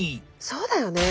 そうだよね。